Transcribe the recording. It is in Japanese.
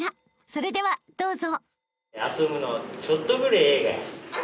［それではどうぞ］